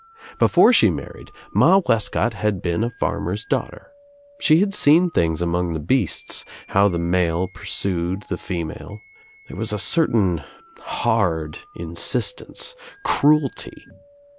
Before she married. Ma Wescott had been a farm er's daughter. She had seen things among the beasts, how the male pursued the female. There was a cer tain hard insistence, cruelty.